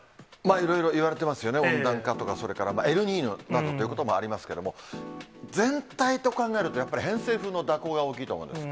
いろいろいわれてますよね、温暖化とか、それからエルニーニョなどということばもありますけれども、全体と考えると、やっぱり偏西風の蛇行が大きいと思うんです。